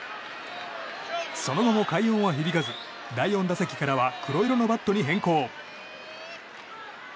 その後も快音は響かず第４打席からは黒色のバットに変更。